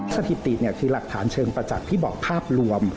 สถิติคือหลักฐานเชิงประจักษ์ที่บอกภาพรวม